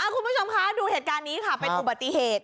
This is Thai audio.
คุณผู้ชมคะดูเหตุการณ์นี้ค่ะเป็นอุบัติเหตุ